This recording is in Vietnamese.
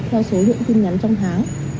theo số lượng tin nhắn trong tháng